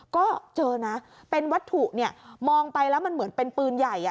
ก็เจอนะเป็นวัตถุเนี่ยมองไปแล้วมันเหมือนเป็นปืนใหญ่